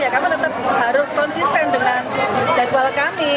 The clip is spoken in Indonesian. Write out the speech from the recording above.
kami tetap harus konsisten dengan jadwal kami